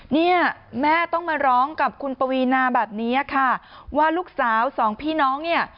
เนี่ยแม่ต้องมาร้องกับคุณปวีนาแบบนี้ค่ะว่าลูกสาวสองพี่น้องเนี่ย